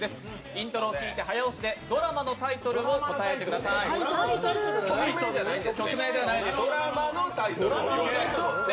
イントロを聴いて早押しでドラマのタイトルを答えてください、曲名ではないです。